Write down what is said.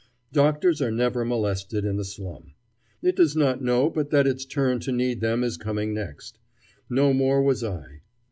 Doctors are never molested in the slum. It does not know but that its turn to need them is coming next. No more was I.